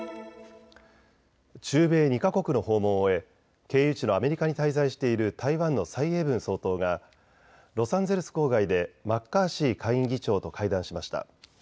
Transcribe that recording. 中米２か国の訪問を終え経由地のアメリカに滞在している台湾の蔡英文総統がロサンゼルス郊外でマッカーシー下院議長と会談しました。